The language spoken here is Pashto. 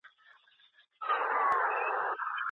د علم ترلاسه کول اسانه کار نه دی.